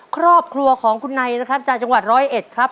ครอบครัวของคุณไนนะครับจากจังหวัดร้อยเอ็ดครับ